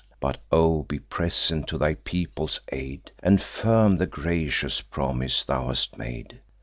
But, O be present to thy people's aid, And firm the gracious promise thou hast made!"